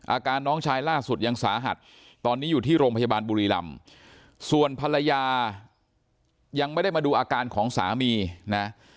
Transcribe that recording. อาการน้องชายล่าสุดยังสาหัสตอนนี้อยู่ที่โรงพยาบาลบุรีรำส่วนภรรยายังไม่ได้มาดูอาการของสามีนะ